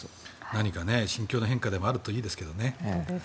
何か心境の変化でもあるといいですけどね。